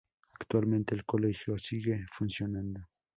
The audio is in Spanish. Actualmente, el colegio sigue funcionando.